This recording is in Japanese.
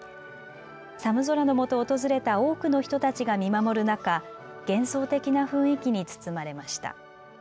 寒空のもと訪れた多くの人たちが見守る中、幻想的な雰囲気に包まれました。